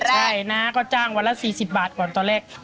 ใช่นะก็จ้างวันละ๔๐บาทก่อนตอนแรก